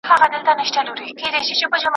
ګوت په ګوټ بتکدې جوړې وې او سجدې کیدې.